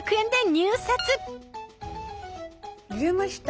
入れました。